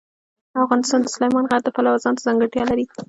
افغانستان د سلیمان غر د پلوه ځانته ځانګړتیا لري.